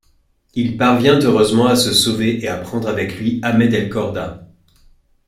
Il parvient heureusement à se sauver et à prendre avec lui Ahmed El Corda.